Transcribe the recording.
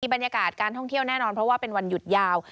บรรยากาศการท่องเที่ยวแน่นอนเพราะว่าเป็นวันหยุดยาว